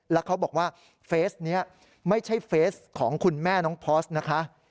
แล้วเขาบอกว่าเฟสนี้ไม่ใช่เฟสของคุณแม่น้องพอร์สนะคะ